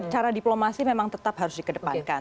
cara diplomasi memang tetap harus dikedepankan